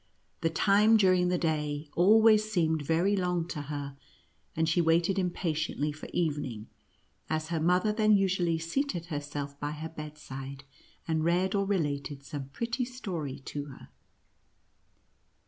The time, during the day, always seemed very long to her, and she waited impatiently for evening, as her mother then usually seated herself by her bedside, and read or related some pretty story to her.